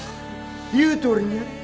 言うとおりに。